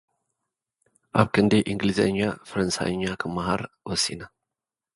ኣብ ክንዲ እንግሊዘኛ፡ ፈረንሳይኛ ክምሃር ወሲነ።